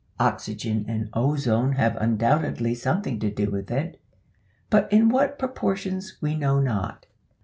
Oxygen and ozone have undoubtedly something to do with it, but in what proportions we know not.